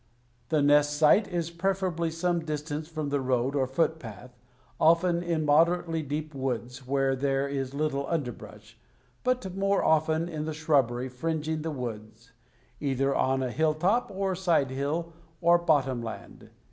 The nest site is preferably some distance from a road or foot path, often in moderately deep woods where there is little underbrush, but more often in the shrubbery fringing the woods, either on a hill top or side hill or bottom land.